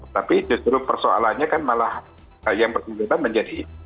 tapi justru persoalannya kan malah yang bersangkutan menjadi